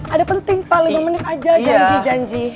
ada penting pak lima menit aja janji janji